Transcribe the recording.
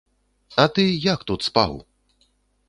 А ты як тут спаў?